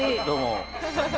どうも。